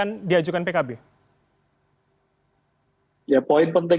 apalagi kemudian sepertinya pdp masih terus menggoda ngoda gus imin dan partai akp